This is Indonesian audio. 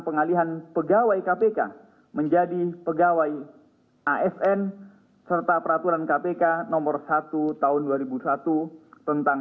pengalihan pegawai kpk menjadi pegawai asn serta peraturan kpk nomor satu tahun dua ribu satu tentang